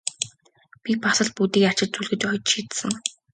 Би бас л бүгдийг арчиж зүлгэж оёж шидсэн!